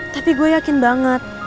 tapi gue yakin banget